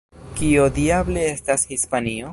Kio diable estas Hispanio?